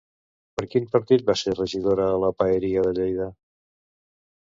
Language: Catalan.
Per quin partit va ser regidora a la Paeria de Lleida?